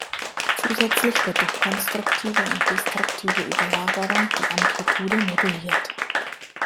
Zusätzlich wird durch konstruktive und destruktive Überlagerung die Amplitude moduliert.